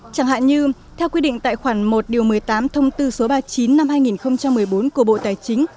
chẳng hạn như theo quy định tại khoản một một mươi tám thông tư số ba mươi chín năm hai nghìn một mươi bốn của bộ tài chính